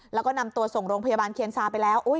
แล้วก็นำตัวส่งโรงพยาบาลเคียนซาไปแล้ว